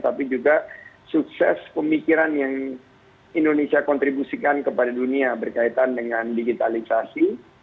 tapi juga sukses pemikiran yang indonesia kontribusikan kepada dunia berkaitan dengan digitalisasi